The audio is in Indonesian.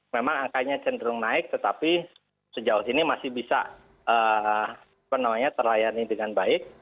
memang angkanya cenderung naik tetapi sejauh ini masih bisa terlayani dengan baik